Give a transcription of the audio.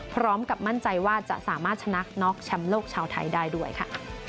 พร้อมกับมั่นใจว่าจะสามารถชนะน็อกแชมป์โลกชาวไทยได้ด้วยค่ะ